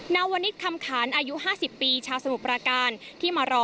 นาวนิดคำขานอายุ๕๐ปีชาวสมุทรประการที่มารอ